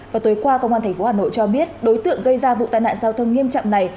và tối qua công an thành phố hà nội cho biết đối tượng gây ra vụ tai nạn giao thông nghiêm trạm này